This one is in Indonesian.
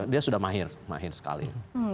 dia sudah mahir mahir sekali